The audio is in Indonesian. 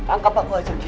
angkat paku aja ki